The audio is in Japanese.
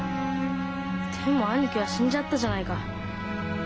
でも兄貴は死んじゃったじゃないか。